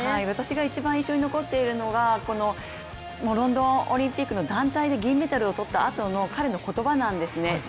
私が一番印象に残っているのがロンドンオリンピックの団体で銀メダルを取ったあとの彼の言葉なんですね